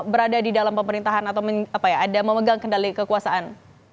berada di dalam pemerintahan atau ada memegang kendali kekuasaan